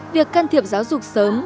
việc can thiệp giáo dục sớm